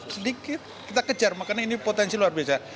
sedikit kita kejar makanya ini potensi luar biasa